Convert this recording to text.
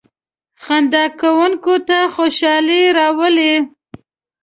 • خندا کورنۍ ته خوشحالي راولي.